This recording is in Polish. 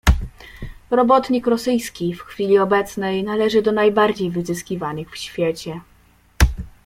"Robotnik rosyjski w chwili obecnej należy do najbardziej wyzyskiwanych w świecie."